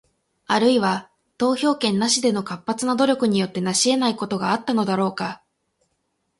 あるいは、投票権なしでの活発な努力によって成し得ないことがあったのだろうか？